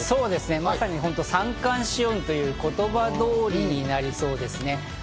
まさに三寒四温という言葉通りになりそうですね。